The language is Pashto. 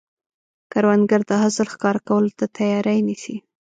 کروندګر د حاصل ښکاره کولو ته تیاری نیسي